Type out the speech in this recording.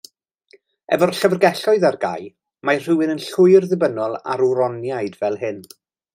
Efo'r llyfrgelloedd ar gau, mae rhywun yn llwyr ddibynnol ar wroniaid fel hyn.